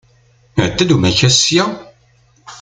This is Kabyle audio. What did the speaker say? Iɛedda-d umakkas sya?